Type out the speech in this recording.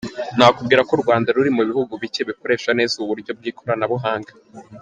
Nakubwira ko u Rwanda ruri mu bihugu bike bikoresha neza ubu buryo bw’ikoranabuhanga.